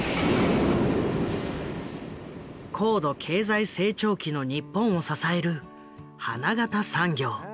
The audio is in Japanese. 高度経済成長期の日本を支える花形産業。